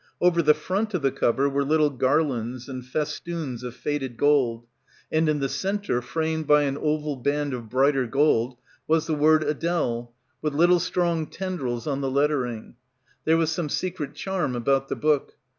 Over the front of the cover were little garlands and festoons of faded gold, and in the centre framed by an oval band of brighter gold was the word Adele, with little strong tendrils on the lettering. There was some secret charm about the book.